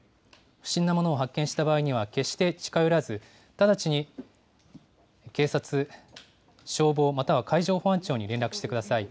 不審なものを発見した場合には、決して近寄らず、直ちに警察、消防、または海上保安庁に連絡してください。